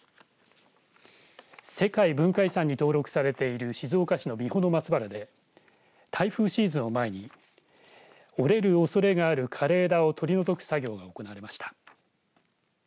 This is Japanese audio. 世界文化遺産に登録されている静岡市の三保松原で台風シーズンを前に折れるおそれがある枯れ枝を取り除く作業が行われました。